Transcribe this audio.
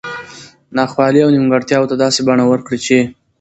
نا خوالي او نیمګړتیاوو ته داسي بڼه ورکړي چې